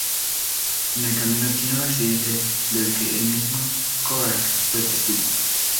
En el camino tienen un accidente del que el mismo Cochran fue testigo.